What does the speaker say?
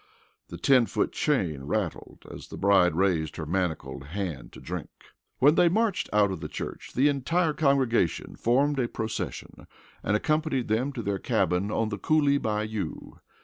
The ten foot chain rattled as the bride raised her manacled hand to drink. When they marched out of the church the entire congregation formed a procession and accompanied them to their cabin on the Coolie Bayou.